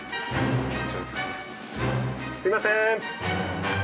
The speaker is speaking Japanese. すいません。